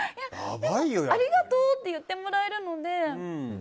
ありがとうって言ってもらえるので。